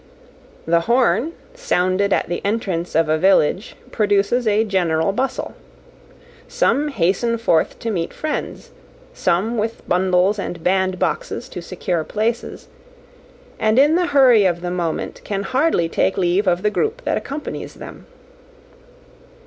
The horn, sounded at the entrance of a village, produces a general bustle. Some hasten forth to meet friends; some with bundles and bandboxes to secure places, and in the hurry of the moment can hardly take leave of the group that accompanies them.